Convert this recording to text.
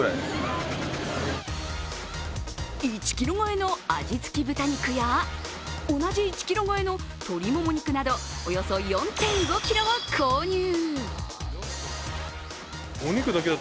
１ｋｇ超えの味つき豚肉や同じ１ｋｇ超えの鶏もも肉など、およそ４．５ｋｇを購入。